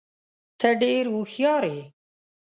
ته ډېر هوښیار یې.